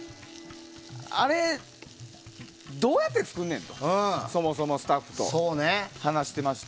あれ、どうやって作んねんとそもそもスタッフと話していて。